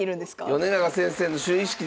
米長先生の就位式ですよ。